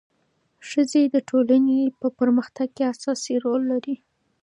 ښځې د ټولنې په پرمختګ کې اساسي رول لري.